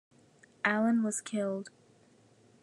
Allen was killed.